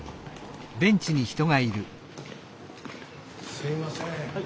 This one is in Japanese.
すいません。